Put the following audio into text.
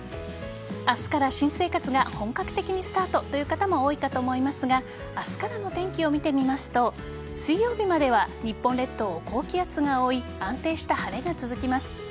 明日から新生活が本格的にスタートという方も多いかと思いますが明日からの天気を見てみますと水曜日までは日本列島を高気圧が覆い安定した晴れが続きます。